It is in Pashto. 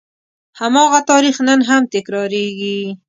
هماغه تاریخ نن هم تکرارېږي.